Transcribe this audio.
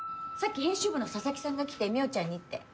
さっき編集部の佐々木さんが来て望緒ちゃんにって。